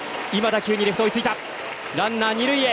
ランナー、二塁へ！